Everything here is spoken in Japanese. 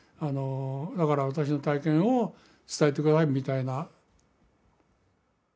だから私の体験を伝えて下さいみたいな。